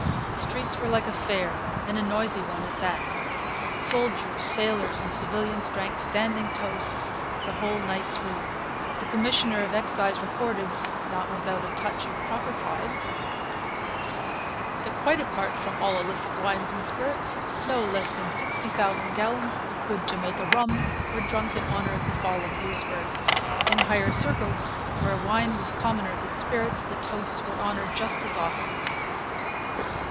The streets were like a fair, and a noisy one at that. Soldiers, sailors, and civilians drank standing toasts the whole night through. The commissioner of excise recorded, not without a touch of proper pride, that, quite apart from all illicit wines and spirits, no less than sixty thousand gallons of good Jamaica rum were drunk in honour of the fall of Louisbourg. In higher circles, where wine was commoner than spirits, the toasts were honoured just as often.